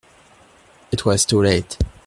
It was too late.